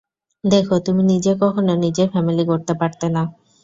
দেখ, তুমি নিজে কখনো নিজের ফ্যামিলি গড়তে পারতে না।